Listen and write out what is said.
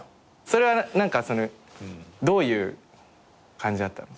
それはどういう感じだったの？